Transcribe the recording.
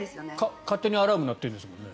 勝手にアラーム鳴ってるんですもんね。